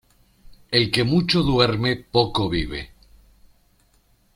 El que mucho duerme poco vive.